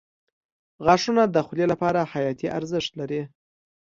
• غاښونه د خولې لپاره حیاتي ارزښت لري.